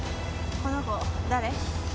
この子誰？